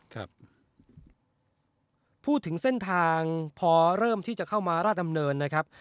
ครับพูดถึงเส้นทางพอเริ่มที่จะเข้ามาราชดำเนินนะครับ